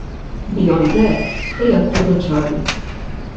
Beyond that, ejja nkunu ċari.